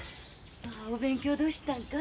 ああお勉強どしたんか？